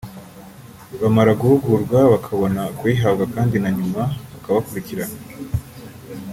bamara guhugurwa bakabona kuyihabwa kandi na nyuma bakabakurikirana